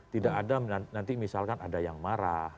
tidak ada nanti misalkan ada yang marah